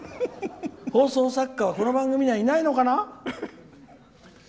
放送作家は、この番組にはいないのかな？